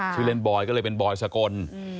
ชื่อเล่นบอยก็เลยเป็นบอยสกล